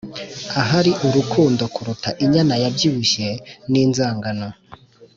ahari urukundo kuruta inyana yabyibushye ninzangano